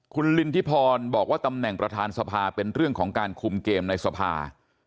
คุณลินทิพรบอกว่าตำแหน่งประธานสภาเป็นเรื่องของการคุมเกมในสภา